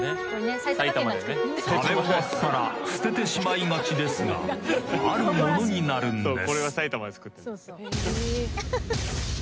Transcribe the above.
［食べ終わったら捨ててしまいがちですがある物になるんです］